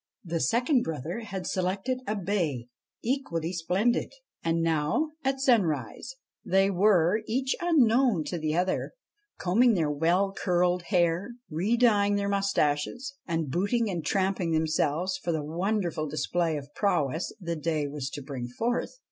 The second brother had selected a bay equally splendid. And now, at sunrise, they were, each unknown to the other, combing their well curled hair, re dyeing their moustaches, and booting and trapping themselves for the wonderful display of prowess the day was to bring forth.